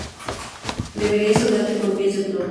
Deberías andarte con pies de plomo